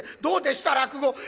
「どうでした？落語」